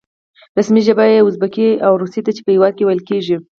رسمي ژبه یې ازبکي او روسي ده چې په هېواد کې ویل کېږي.